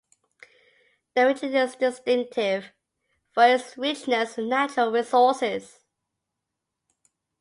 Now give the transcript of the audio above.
The region is distinctive for its richness in natural resources.